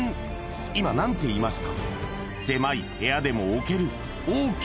今何て言いました？